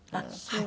はい。